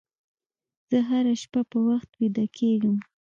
زه هره شپه په وخت ویده کېږم.